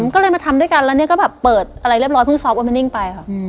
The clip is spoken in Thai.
ก็เลยมาทำด้วยกันแล้วเนี่ยก็แบบเปิดอะไรเรียบร้อยเพิ่งซอฟโอมินิ่งไปค่ะ